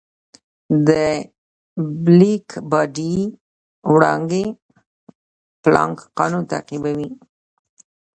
د بلیک باډي وړانګې پلانک قانون تعقیبوي.